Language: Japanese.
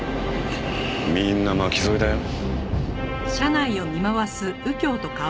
みんな巻き添えだよ。